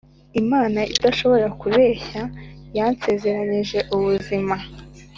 Imana idashobora kubeshya yasezeranyije ubuzima